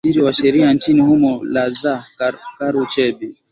waziri wa sheria nchini humo la zah karu chebi